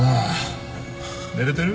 寝れてる？